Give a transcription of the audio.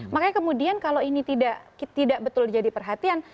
makanya kalau ini tidak jadi perhatian